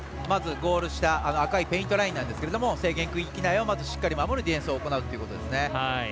ゴール下赤いペイントエリアなんですけど制限区域内をしっかり守るディフェンスを行うということですね。